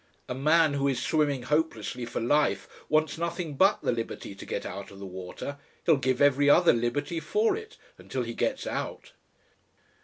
A man who is swimming hopelessly for life wants nothing but the liberty to get out of the water; he'll give every other liberty for it until he gets out."